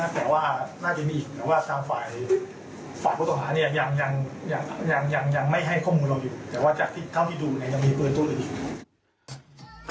แต่ว่าเท่าที่ดูยังมีพืนตู้ลบิน